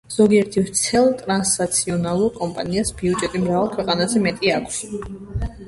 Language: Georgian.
ზოგიერთ ვრცელ ტრანსნაციონალურ კომპანიას ბიუჯეტი მრავალ ქვეყანაზე მეტი აქვს.